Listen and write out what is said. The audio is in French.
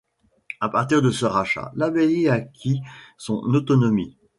À partir de ce rachat, l'abbaye acquit son autonomie.